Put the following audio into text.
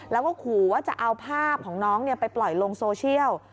แล้วก็ขอว่าจะเอาภาพของน้องเนี่ยไปเปิดลงโซเชียล